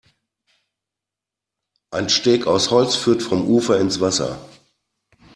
Ein Steg aus Holz führt vom Ufer ins Wasser.